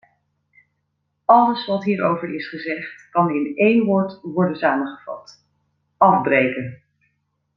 Alles wat hierover is gezegd kan in één woord worden samengevat: afbreken.